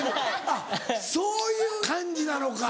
あっそういう感じなのか。